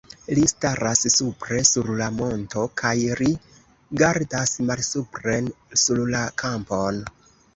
Li staras supre sur la monto kaj rigardas malsupren sur la kampon.